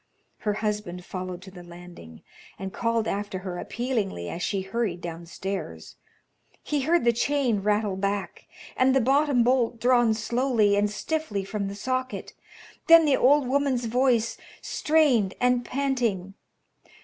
Her husband followed to the landing, and called after her appealingly as she hurried downstairs. He heard the chain rattle back and the bottom bolt drawn slowly and stiffly from the socket. Then the old woman's voice, strained and panting.